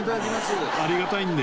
富澤：ありがたいんで。